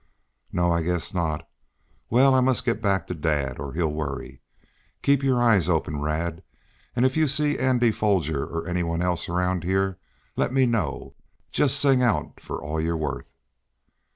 "No, I guess not. Well, I must get back to dad, or he'll worry. Keep your eyes open, Rad, and if you see Andy Foger, or any one else, around here, let me know. Just sing out for all you're worth."